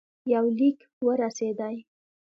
یو لیک ورسېدی.